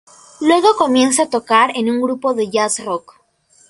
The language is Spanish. Luego comienza a tocar en un grupo de jazz rock.